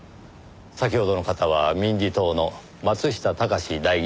先ほどの方は民自党の松下隆司代議士ですね？